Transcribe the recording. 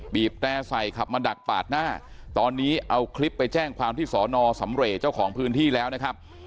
บแตร่ใส่ขับมาดักปาดหน้าตอนนี้เอาคลิปไปแจ้งความที่สอนอสำเรย์เจ้าของพื้นที่แล้วนะครับ